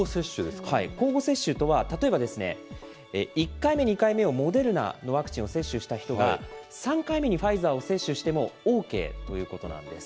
交互接種とは、例えば、１回目、２回目をモデルナのワクチンを接種した人が、３回目にファイザーを接種してもＯＫということなんです。